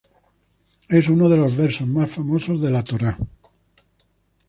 Es uno de los versos más famosos de la Torá.